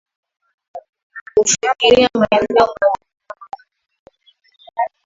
kufikiria maendeleo mazuri Kama kanuni ya jumla